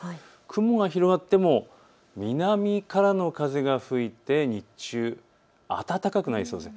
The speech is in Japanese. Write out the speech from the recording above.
雲が広がっても南からの風が吹いて日中暖かくなりそうです。